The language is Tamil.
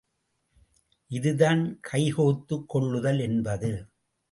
இதுதான் கை கோத்துக் கொள்ளுதல் என்பது.